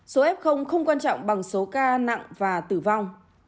số f không quan trọng bằng số ca nặng và tử vong